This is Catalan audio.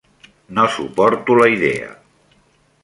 No suporto la idea.